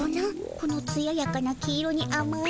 このつややかな黄色にあまいかおり。